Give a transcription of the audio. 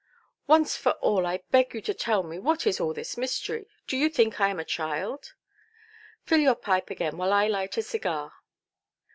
"Once for all, I beg you to tell me what is all this mystery? Do you think I am a child"? "Fill your pipe again, while I light a cigar".